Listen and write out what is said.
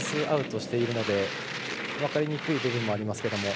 アウトしているので分かりにくい部分もありますが。